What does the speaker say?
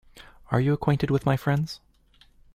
Are you acquainted with my friends?